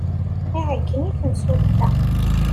Iɛeyyen i temsulta.